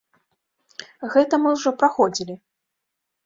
Гэта мы ўжо праходзілі.